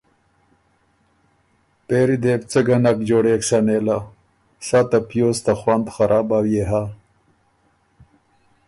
پېری دې بو څۀ ګۀ نک جوړېک سَۀ نېله، سَۀ ته پیوز ته خوند خرابؤ يې هۀ۔